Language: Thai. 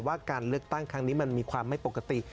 ว่าการเลือกตั้งครั้งนี้มันมีความไม่ปกติ